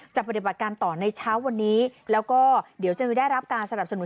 ปฏิบัติการต่อในเช้าวันนี้แล้วก็เดี๋ยวจะได้รับการสนับสนุน